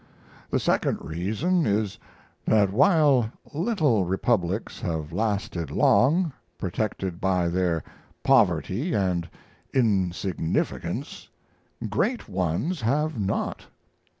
The second reason is, that while little republics have lasted long, protected by their poverty and insignificance, great ones have not.